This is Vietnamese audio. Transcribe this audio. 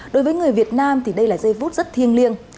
đối với người việt nam thì đây là giây phút rất thiêng liêng